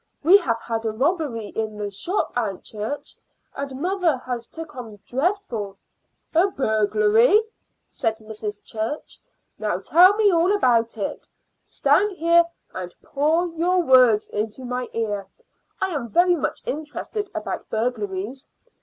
We have had a robbery in the shop, Aunt Church, and mother has took on dreadful." "A burglary?" said Mrs. Church. "Now tell me all about it. Stand here and pour your words into my ear. I am very much interested about burglaries.